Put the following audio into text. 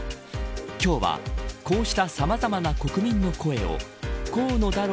今日は、こうしたさまざまな国民の声を河野太郎